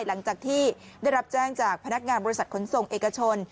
หลังจากที่ได้รับแจ้งจากพนักงานบริษัทขนส่งเอกชน